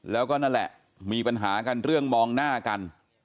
แล้วก็นั่นแหละมีปัญหากันเรื่องมองหน้ากัน